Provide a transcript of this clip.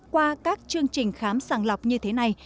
qua các chương trình khám sàng lọc như thế này